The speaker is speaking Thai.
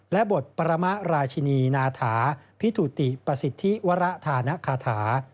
และบทประมะราชินีนาถาพิถุติประสิทธิวรธานคาถา